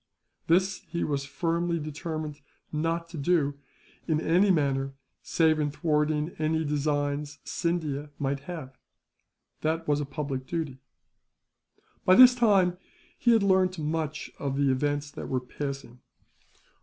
This he was firmly determined not to do, in any matter save in thwarting any designs Scindia might have. That was a public duty. By this time, he had learnt much of the events that were passing.